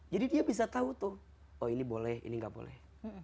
jadi dia bisa tahu tuh oh ini boleh ini gak boleh